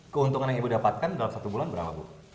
keuntungan yang ibu dapatkan dalam satu bulan berapa bu